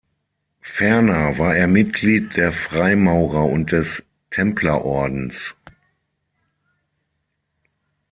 Ferner war er Mitglied der Freimaurer und des Templerordens.